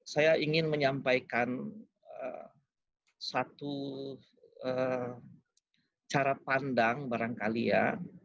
saya ingin menyampaikan satu cara pandang barangkali ya